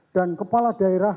dan kepala daerah di lima kabupaten